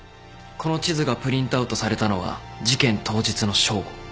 この地図がプリントアウトされたのは事件当日の正午。